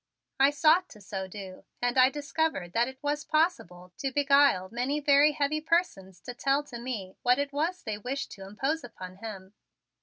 I sought to so do and I discovered that it was possible to beguile many very heavy persons to tell to me what it was they wished to impose upon him.